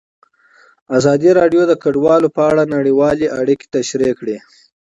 ازادي راډیو د کډوال په اړه نړیوالې اړیکې تشریح کړي.